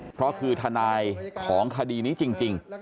เพราะคือทนายของคดีนี้จริง